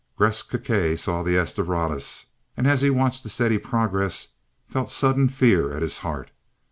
Gresth Gkae saw the "S Doradus" and as he watched the steady progress, felt sudden fear at his heart.